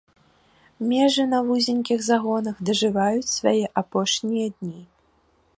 Межы на вузенькіх загонах дажываюць свае апошнія дні.